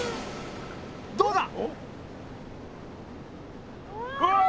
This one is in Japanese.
どうだ？わ。